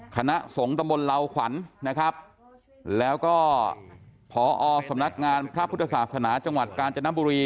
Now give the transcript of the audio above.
คณะสงฆ์ตำบลเหล่าขวัญนะครับแล้วก็พอสำนักงานพระพุทธศาสนาจังหวัดกาญจนบุรี